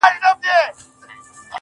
خداى خو دې هركله د سترگو سيند بهانه لري.